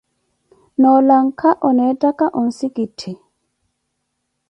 Noo lanka, oneettaka onsikitti.